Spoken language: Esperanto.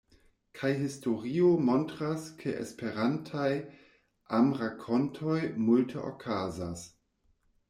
Kaj historio montras ke Esperantaj amrakontoj multe okazas.